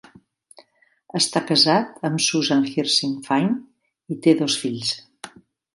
Està casat amb Susan Hirsig Fine i té dos fills.